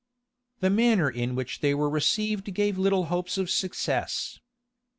The manner in which they were received gave little hopes of success.